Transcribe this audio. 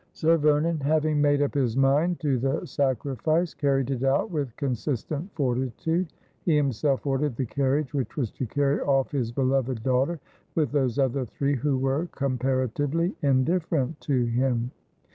Sir Vernon, having made up his mind to the sacrifice, carried it out with consistent fortitude. He himself ordered the carriage which was to carry off his beloved daughter, with those other three who were comparatively indifferent to him.